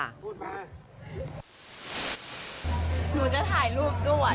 หนูจะถ่ายรูปด้วย